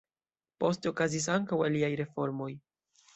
Poste okazis ankaŭ aliaj reformoj.